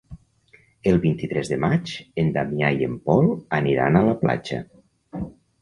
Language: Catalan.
El vint-i-tres de maig en Damià i en Pol aniran a la platja.